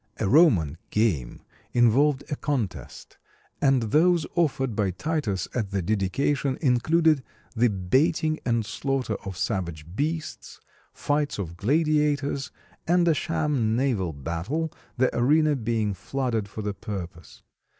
A Roman "game" involved a contest; and those offered by Titus at the dedication included the baiting and slaughter of savage beasts, fights of gladiators, and a sham naval battle, the arena being flooded for the purpose.